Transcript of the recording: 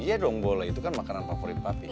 iya dong boleh itu kan makanan favorit papi